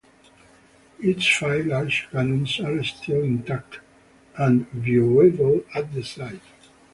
Its five large cannons are still intact and viewable at the site.